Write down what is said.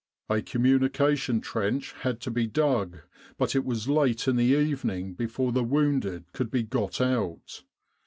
A communication trench had to be dug, but it was late in the evening before the wounded could be got out.